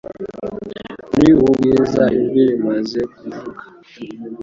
muri ubu bwiza ijwi rimaze kuvuga